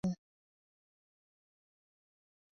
An inauspicious layout is said to bring bad fortune.